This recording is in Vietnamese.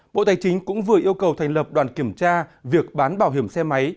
bộ tài chính cũng vừa yêu cầu thành lập đoàn kiểm tra việc bán bảo hiểm xe máy